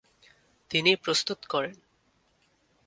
তিনি প্রস্তুত করেন।